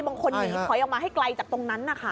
บางคนหนีถอยออกมาให้ไกลจากตรงนั้นนะคะ